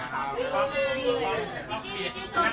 ขอบคุณทุกคน